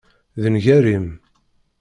D nnger-im!